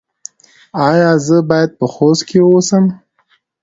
ایا زه باید په خوست کې اوسم؟